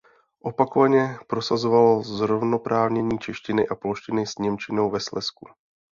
Opakovaně prosazoval zrovnoprávnění češtiny a polštiny s němčinou ve Slezsku.